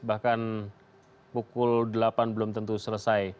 bahkan pukul delapan belum tentu selesai